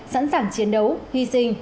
sẵn sàng chiến đấu hy sinh